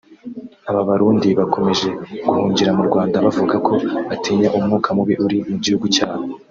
Aba barundi bakomeje guhungira mu Rwanda bavuga ko batinya umwuka mubi uri mu gihugu cyabo